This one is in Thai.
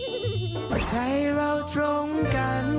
ไอ้ใดเราตรงกัน